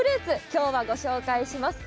今日はご紹介します。